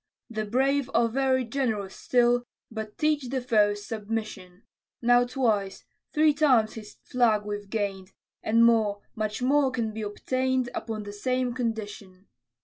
The brave are very generous still But teach the foes submission: Now twice three times his flag we've gain'd, And more, much more can be obtain'd Upon the same condition.